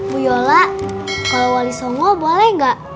bu yola kalau wali songo boleh nggak